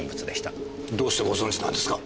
どうしてご存知なんですか？